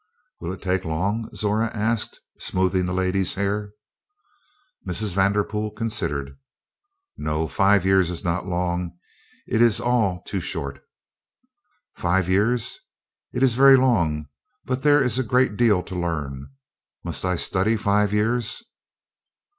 "Will it take long?" Zora asked, smoothing the lady's hair. Mrs. Vanderpool considered. "No five years is not long; it is all too short." "Five years: it is very long; but there is a great deal to learn. Must I study five years?"